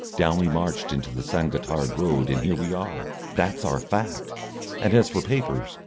Down we marched into the San Gotthard road and here we are! That's our fact. And as for papers